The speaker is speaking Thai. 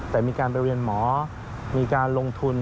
แต่มีการไปเรียนหมอมีการลงทุน